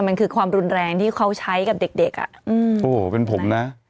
มันคือความรุนแรงที่เขาใช้กับเด็กเด็กอ่ะอืมโอ้โหเป็นผมนะ